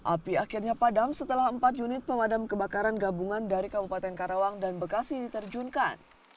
api akhirnya padam setelah empat unit pemadam kebakaran gabungan dari kabupaten karawang dan bekasi diterjunkan